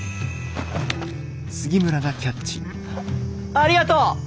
ありがとう！